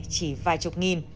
chỉ vài chục nghìn